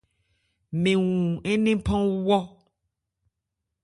Mɛn wú ńnephan wɔ́.